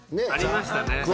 ありましたね。